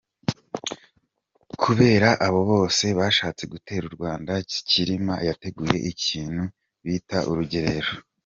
Kubera abo bose bashatse gutera u Rwanda, Cyilima yateguye ikintu bita urugerero.